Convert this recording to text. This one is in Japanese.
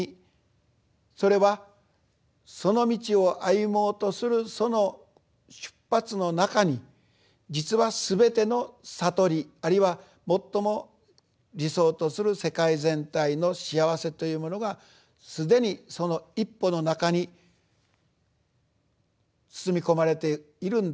それはその道を歩もうとするその出発の中に実はすべての悟りあるいは最も理想とする世界全体の幸せというものがすでにその一歩の中に包み込まれているんだと。